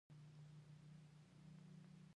همدارنګه یو اندازه کلسیم هم لري.